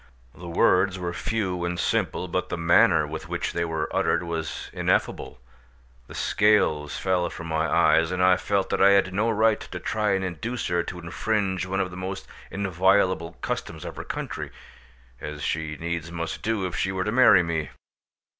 The words were few and simple, but the manner with which they were uttered was ineffable: the scales fell from my eyes, and I felt that I had no right to try and induce her to infringe one of the most inviolable customs of her country, as she needs must do if she were to marry me.